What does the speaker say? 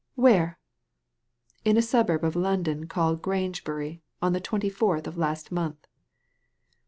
Where?" •* In a suburb of London called Grangebury on the twenty fourth of last month."